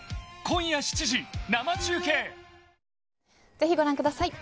ぜひご覧ください。